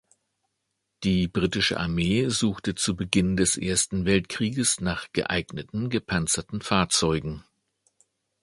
Die Britische Armee suchte zu Beginn des Ersten Weltkrieges nach geeigneten gepanzerten Fahrzeugen.